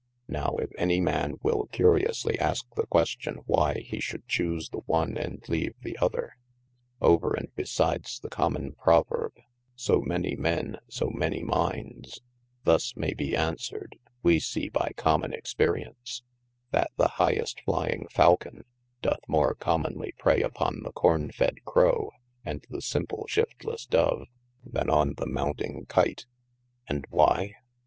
Now if any man wil curiously aske the question why he should chuse the one and leave ye other, over & besides ye comon proverbe [So mani men so manie mindes) thus may be answered we see by common experience, that the highest flying faucon, doth more comonly praye upon the corn fed crow & the simple shiftles dove, then on ye mounting kyte :& why